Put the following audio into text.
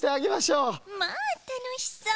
まあたのしそう。